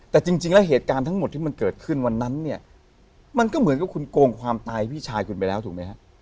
แต่จริงแล้วเหตุการณ์ทั้งหมดที่มันเกิดขึ้นวันนั้นเนี่ยมันก็เหมือนกับคุณโกงความตายพี่ชายคุณไปแล้วถูกไหมฮะ